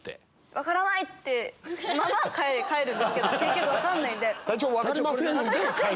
分からないまま帰るんですけど結局分からないんで。